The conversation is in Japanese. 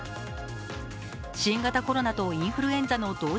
新型コロナとインフルエンザの同時